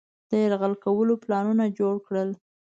د یرغل کولو پلانونه جوړ کړل.